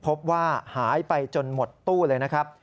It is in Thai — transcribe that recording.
พบว่าหายไปจนหมดตู้เลยนะครับ